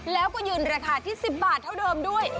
แล้วก็ยืนราคาที่๑๐บาทเท่าเดิมด้วย